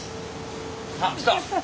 あっ来た。